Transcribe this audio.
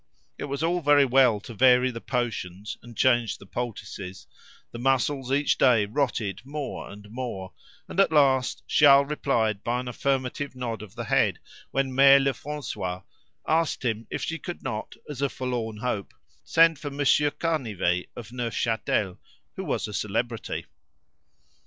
It was all very well to vary the potions and change the poultices; the muscles each day rotted more and more; and at last Charles replied by an affirmative nod of the head when Mere Lefrancois, asked him if she could not, as a forlorn hope, send for Monsieur Canivet of Neufchâtel, who was a celebrity.